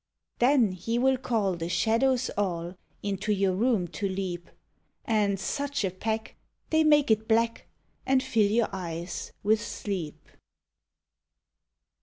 Then he will call the shadows all Into your room (o leap, And such a pack! they make it black. And till your eyes with sleep!